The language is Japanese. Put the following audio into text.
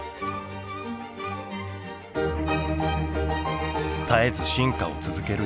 絶えず進化を続ける人類。